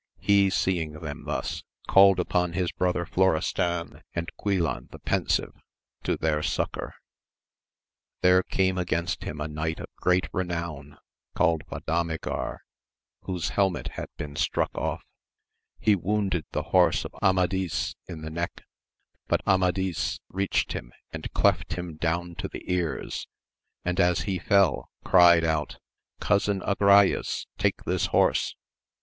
He seeing them thus, called upon his brother Florestan, and Guilan the Pensive, to their succour. There came against him a knight of grea^ renown, called Vadamigar, whose helmet had been struck off; he wounded the horse of Amadis in the neck, but Amadis reached him, and cleft him down to the ears, and as he fell cried out, Cousin Agrayes, take this horse